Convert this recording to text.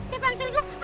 siapa yang selingkuh